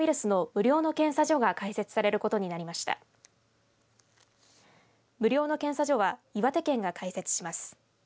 無料の検査所は岩手県が開設します。